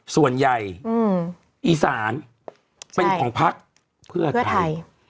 ส่วนใหญ่อีสานเป็นของพักเพื่อไทย